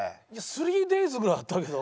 スリーデイズぐらいあったけど。